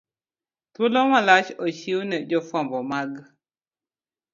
Thuolo malach ochiw ne jofwambo mag